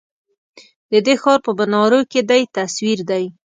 ددې ښار په منارو کی دی تصوير دی